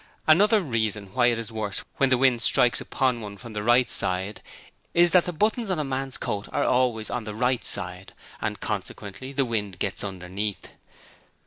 Another reason why it is worse when the wind strikes upon one from the right side is that the buttons on a man's coat are always on the right side, and consequently the wind gets underneath.